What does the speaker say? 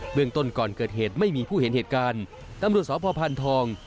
เรื่องต้นก่อนเกิดเหตุไม่มีผู้เห็นเหตุการณ์ตำรวจสพพานทอง